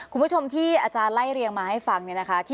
คุณผู้ชมที่อาจารย์ไล่เรียงมาให้ฟังเนี่ยนะคะ